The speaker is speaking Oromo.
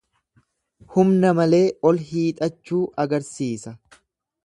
Humna malee ol hiixachuu agarsiisa.